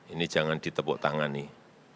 ini jangan ditepuk tangan nih